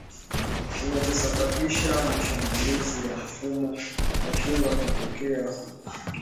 kinachosababisha mashambulizi ya mfumo wa kinga kutokea hakijulikani